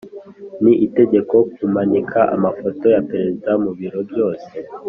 ni itegeko kumanika amafoto ya perezida mubiro byose